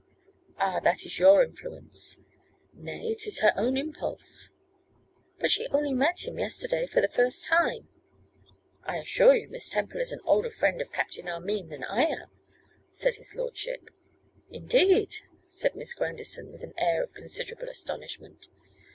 'Ah, that is your influence.' 'Nay, it is her own impulse.' 'But she only met him yesterday for the first time.' 'I assure you Miss Temple is an older friend of Captain Armine than I am,' said his lordship. 'Indeed!' said Miss Grandison, with an air of considerable astonishment.